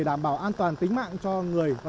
đảm bảo an toàn tính mạng cho người và